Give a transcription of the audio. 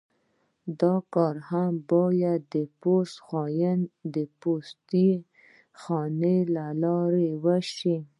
دا کار هم باید د پوسته خانې له لارې وشي